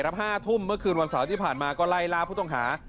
รับห้าทุ่มเมื่อคืนวันสาวที่ผ่านมาก็ไล่ลาผู้ต้องหา